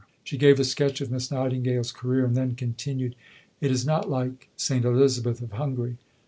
She gave a sketch of Miss Nightingale's career, and then continued: "Is it not like St. Elizabeth of Hungary?